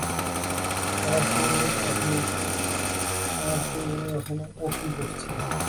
আমার ফুলগুলোর ওখানে ও কি করছে?